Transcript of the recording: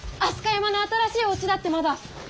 飛鳥山の新しいおうちだってまだ。